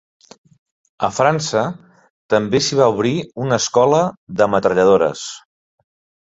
A França també s'hi va obrir una escola de metralladores.